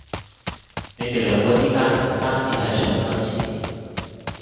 你哋兩個之間唔單止係一場婚事